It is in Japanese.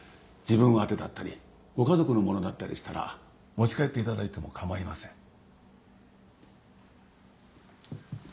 自分宛てだったりご家族のものだったりしたら持ち帰っていただいても構いません。